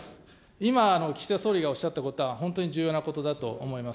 今、岸田総理がおっしゃったことは、本当に重要なことだと思います。